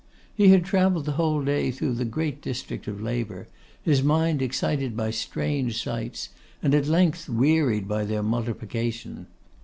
He had travelled the whole day through the great district of labour, his mind excited by strange sights, and at length wearied by their multiplication.